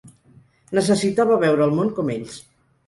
Necessitava veure el món com ells.